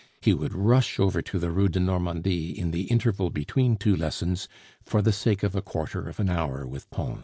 He would rush over to the Rue de Normandie in the interval between two lessons for the sake of a quarter of an hour with Pons.